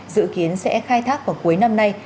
dự kiến sẽ khai thác vào cuối năm nay